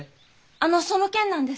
あのその件なんですが。